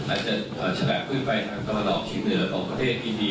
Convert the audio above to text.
อาจจะสะแพงขึ้นไปทางธรรมดอกที่เหนือตรงประเทศอินเดีย